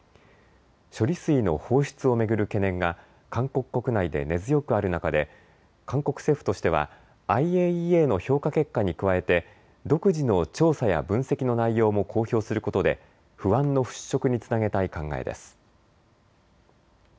処理水の放出を巡る懸念が韓国国内で根強くある中で韓国政府としてはＩＡＥＡの評価結果に加えて独自の調査や分析の内容も公表することで不安の払拭につなげたい考えです。